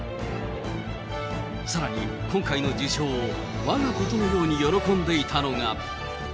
さらに今回の受賞をわがことのように喜んでいたのが。